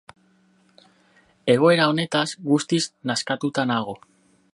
Egoera honetaz guztiz nazkatuta nago.